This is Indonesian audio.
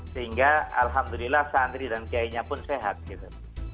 sehingga alhamdulillah santri dan iai nya pun sehat gitu